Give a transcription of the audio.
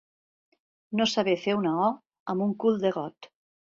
No saber fer una «o» amb un cul de got.